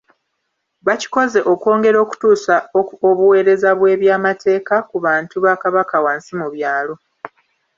Bakikoze okwongera okutuusa obuweereza bw'ebyamateeka ku bantu ba Kabaka wansi mu byalo